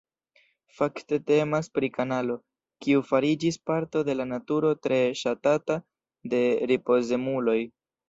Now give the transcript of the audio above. Fakte temas pri kanalo, kiu fariĝis parto de la naturo tre ŝatata de ripozemuloj.